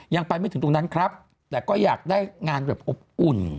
ยังไปไม่ถึงตรงนั้นครับแต่ก็อยากได้งานแบบอบอุ่น